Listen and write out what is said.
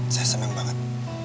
saya seneng banget